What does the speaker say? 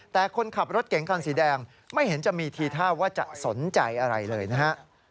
แต่คนขับรถเก๋งคันสีแดงไม่เห็นจะมีทีท่าว่าจะสนใจอะไรเลยนะฮะ